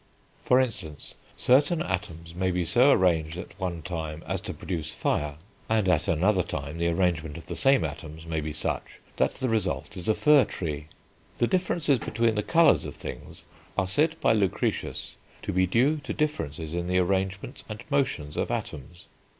For instance, certain atoms may be so arranged at one time as to produce fire, and, at another time, the arrangement of the same atoms may be such that the result is a fir tree. The differences between the colours of things are said by Lucretius to be due to differences in the arrangements and motions of atoms.